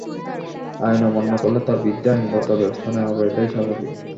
আইন অমান্য করলে তাঁর বিরুদ্ধে আইনগত ব্যবস্থা নেওয়া হবে, এটাই স্বাভাবিক।